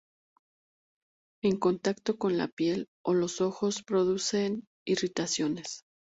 En contacto con la piel o los ojos, produce irritaciones.